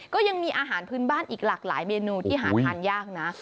ก็ยังมีอาหารพื้นบ้านอีกหลากหลายเมนูที่หาทานยากนะ